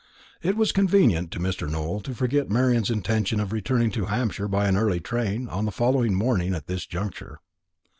It was convenient to Mr. Nowell to forget Marian's intention of returning to Hampshire by an early train on the following morning at this juncture.